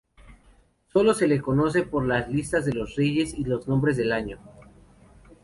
Sólo se le conoce por las listas de reyes y los nombre de año.